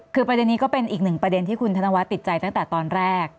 คือประเด็นนี้ก็เป็นอีกหนึ่งประเด็นที่คุณธนวัฒน์ติดใจตั้งแต่ตอนแรก